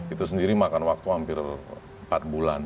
itu sendiri makan waktu hampir empat bulan